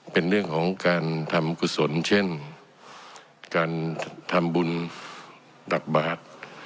เป็นเรื่องของการทำกุศลเช่นการทำบุญตักบาท